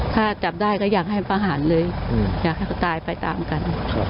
ถ้าจับได้ก็อยากให้ประหารเลยอยากให้เขาตายไปตามกัน